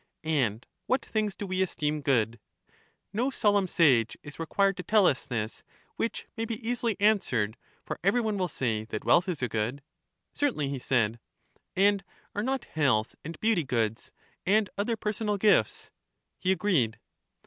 And what things do we esteem good? No solemn sage is required to tell us this, which may be easily answered; for every one will say that wealth is a good. 232 EUTHYDEMUS Certainly, he said. And are not health and beauty goods, and other personal gifts? He agreed.